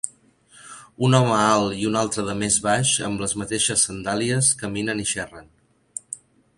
Un home alt i un altre de més baix amb les mateixes sandàlies caminen i xerren.